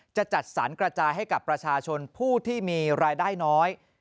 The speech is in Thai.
จัดสรรกระจายให้กับประชาชนผู้ที่มีรายได้น้อย